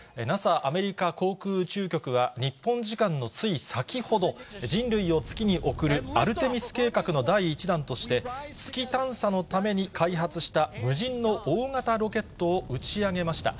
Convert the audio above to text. ＮＡＳＡ・アメリカ航空宇宙局は、日本時間のつい先ほど、人類を月に送る、アルテミス計画の第１弾として、月探査のために、開発した無人の大型ロケットを打ち上げました。